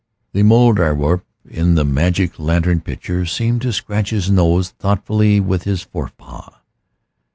The Mouldierwarp in the magic lantern picture seemed to scratch his nose thoughtfully with his fore paw.